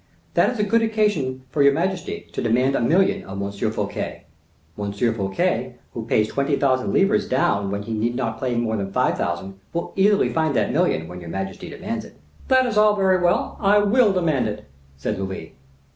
That is a good occasion for your majesty to demand a million of M. Fouquet. M. Fouquet, who pays twenty thousand livres down when he need not pay more than five thousand, will easily find that million when your majesty demands it." "That is all very well; I will demand it," said Louis.